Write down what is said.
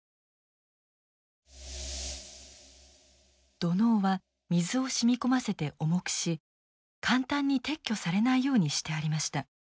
土のうは水を染み込ませて重くし簡単に撤去されないようにしてありました。